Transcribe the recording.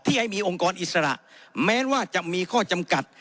ให้มีองค์กรอิสระแม้ว่าจะมีข้อจำกัด